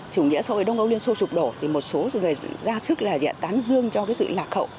chủ nghĩa xã hội đông âu liên xô trục đổ thì một số người ra sức là tán dương cho sự lạc hậu